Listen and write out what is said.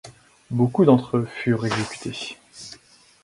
Beaucoup d'entre eux furent exécutés.